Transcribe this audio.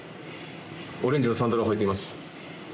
オレンジのサンダルを履いています。